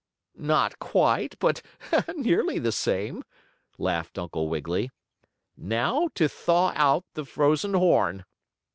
"Not quite, but nearly the same," laughed Uncle Wiggily. "Now to thaw out the frozen horn."